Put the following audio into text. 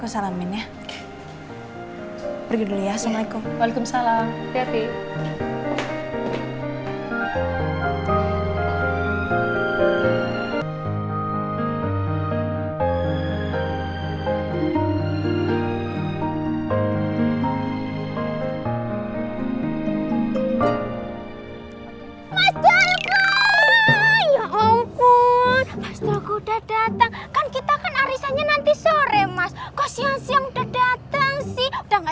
sampai jumpa di video selanjutnya